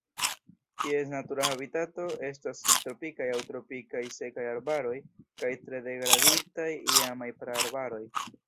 Ties natura habitato estas subtropikaj aŭ tropikaj sekaj arbaroj kaj tre degraditaj iamaj praarbaroj.